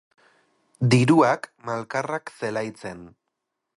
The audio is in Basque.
Diruak malkarrak zelaitzen.